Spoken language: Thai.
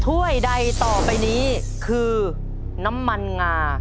ถ้วยใดต่อไปนี้คือน้ำมันงา